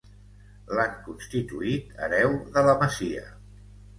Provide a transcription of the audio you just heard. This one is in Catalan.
L'han constituït hereu de la masia.